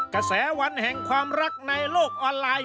กระแสวันแห่งความรักในโลกออนไลน์